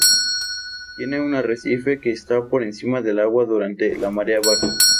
Tiene un arrecife que está por encima del agua durante la marea baja.